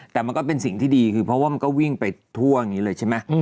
แต่มันก็เป็นสิ่งที่ดีคือเพราะว่ามันก็วิ่งไปทั่วอย่างนี้เลยใช่ไหม